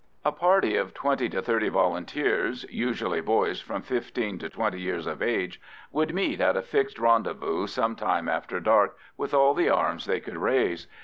A party of twenty to thirty Volunteers, usually boys from fifteen to twenty years of age, would meet at a fixed rendezvous some time after dark with all the arms they could raise.